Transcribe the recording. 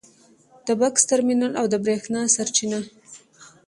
د بکس ترمینل او د برېښنا سرچینه